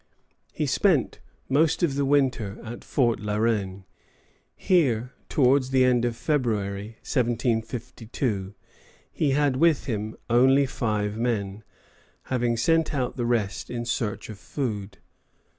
He spent most of the winter at Fort La Reine. Here, towards the end of February, 1752, he had with him only five men, having sent out the rest in search of food.